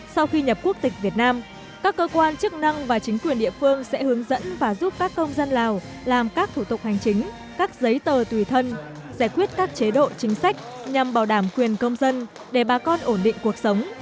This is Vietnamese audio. sau khi nhập quốc tịch việt nam các cơ quan chức năng và chính quyền địa phương sẽ hướng dẫn và giúp các công dân lào làm các thủ tục hành chính các giấy tờ tùy thân giải quyết các chế độ chính sách nhằm bảo đảm quyền công dân để bà con ổn định cuộc sống